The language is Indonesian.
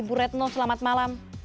bu retno selamat malam